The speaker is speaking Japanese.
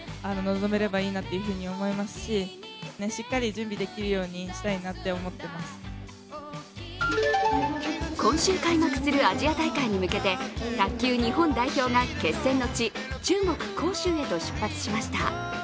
１年後の大舞台に向けて今週開幕するアジア大会に向けて、卓球日本代表が決戦の地、中国・杭州へと出発しました。